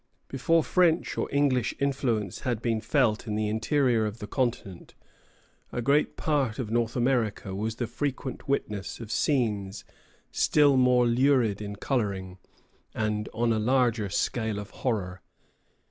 Before French or English influence had been felt in the interior of the continent, a great part of North America was the frequent witness of scenes still more lurid in coloring, and on a larger scale of horror.